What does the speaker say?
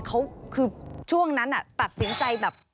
เขาคือช่วงนั้นตัดสินใจแบบ